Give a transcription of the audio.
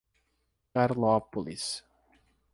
Carlópolis